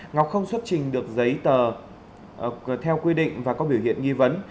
ngọc không xuất trình được giấy tờ theo quy định và có biểu hiện nghi vấn